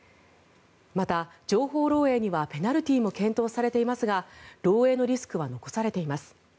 また、情報漏えいにはペナルティーも検討されていますが漏えいのリスクは残されています。